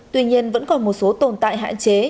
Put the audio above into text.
tuy nhiên vẫn còn một số tồn tại hạn chế